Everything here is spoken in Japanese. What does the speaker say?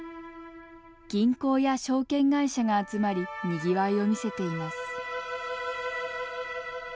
銀行や証券会社が集まりにぎわいを見せています。